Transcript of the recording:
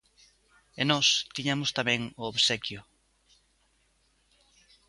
E nós tiñamos tamén o obsequio.